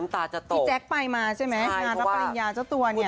พี่แจ๊คไปมาใช่ไหมงานรับปริญญาเจ้าตัวเนี่ย